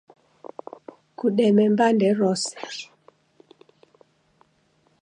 kudeme mbande rose.